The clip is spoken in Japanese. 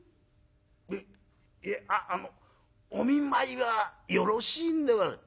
「えっいやああのお見舞いはよろしいんでございます」。